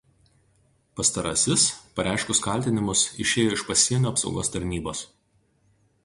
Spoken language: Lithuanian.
Pastarasis pareiškus kaltinimus išėjo iš Pasienio apsaugos tarnybos.